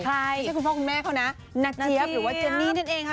ไม่ใช่คุณพ่อคุณแม่เขานะนักเจี๊ยบหรือว่าเจนนี่นั่นเองค่ะ